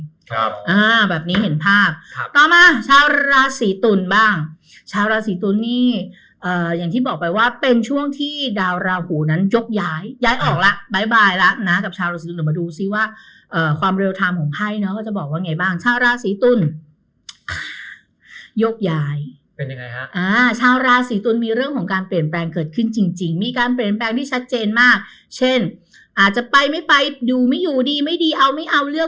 ครับอ่าแบบนี้เห็นภาพต่อมาชาวราศีตุลบ้างชาวราศีตุลนี่เอ่ออย่างที่บอกไปว่าเป็นช่วงที่ดาวราหูนั้นยกย้ายย้ายออกละบ๊ายบายละนะกับชาวราศีตุลเดี๋ยวมาดูซิว่าเอ่อความเร็วทำของไพ่เนอะเขาจะบอกว่าไงบ้างชาวราศีตุลยกย้ายเป็นยังไงฮะอ่าชาวราศีตุลมีเรื่องของการเปลี่ยนแป